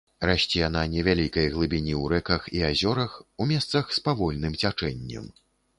Расце на невялікай глыбіні ў рэках і азёрах, у месцах з павольным цячэннем.